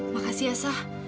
makasih ya sah